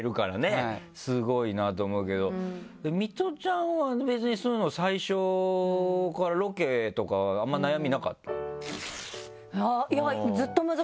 スゴいなと思うけどミトちゃんは別にそういうの最初からロケとかあんま悩みなかった？